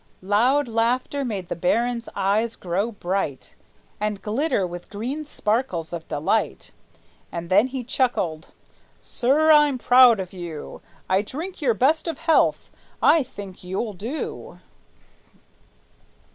Loud laughter made the baron's eyes grow bright And glitter with green sparkles of delight; And then he chuckled: "Sir, I'm proud of you; I drink your best of health; _I think you'll do!